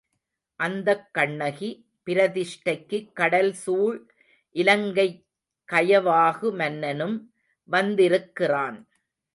அந்தக் கண்ணகி பிரதிஷ்டைக்கு கடல் சூழ் இலங்கைக் கயவாகு மன்னனும் வந்திருந்திருக்கிறான்.